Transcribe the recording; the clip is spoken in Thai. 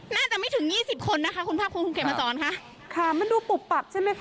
น่าจะไม่ถึงยี่สิบคนนะคะคุณภาคภูมิคุณเขตมาสอนค่ะค่ะมันดูปุบปับใช่ไหมคะ